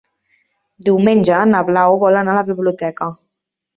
Diumenge na Blau vol anar a la biblioteca.